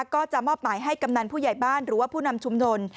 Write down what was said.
ก็จะมอบหมายให้กำนันผู้ใหญ่บ้านหรือว่าผู้นำชุมชน